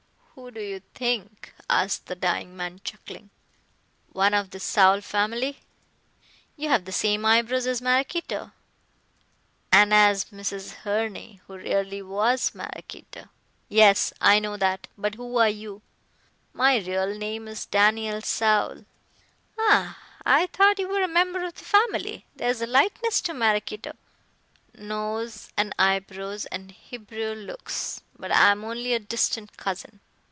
"Who do you think?" asked the dying man, chuckling. "One of the Saul family. You have the same eyebrows as Maraquito." "And as Mrs. Herne, who really was Maraquito." "Yes, I know that. But who are you?" "My real name is Daniel Saul." "Ah! I thought you were a member of the family. There is a likeness to Maraquito " "Nose and eyebrows and Hebrew looks. But I am only a distant cousin.